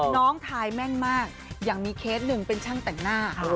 ทายแม่นมากอย่างมีเคสหนึ่งเป็นช่างแต่งหน้า